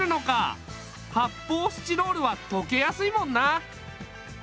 はっぽうスチロールはとけやすいもんな。